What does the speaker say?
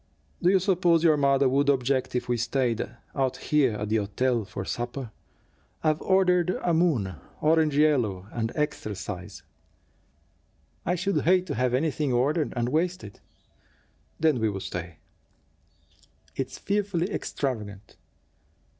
Do you suppose your mother would object if we stayed, out here at the hotel for supper? I've ordered a moon, orange yellow and extra size." "I should hate to have anything ordered and wasted." "Then we'll stay." "It's fearfully extravagant."